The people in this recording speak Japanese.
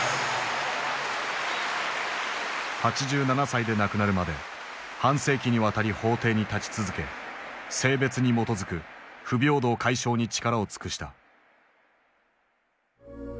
８７歳で亡くなるまで半世紀にわたり法廷に立ち続け性別に基づく不平等解消に力を尽くした。